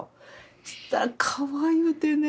そしたらかわゆうてね